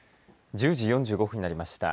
１０時４５分になりました。